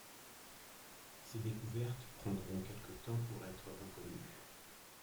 Ces découvertes prendront quelque temps pour être reconnues.